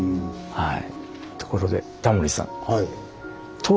はい。